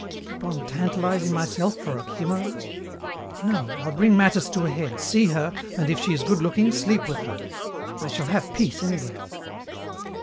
Keep on tantalizing myself for a chimera? No! I'll bring matters to a head, see her, and if she is good looking, sleep with her. I shall have peace, anyway."